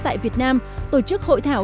tại việt nam tổ chức hội thảo